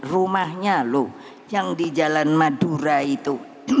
rumahnya loh yang di jalan madura itu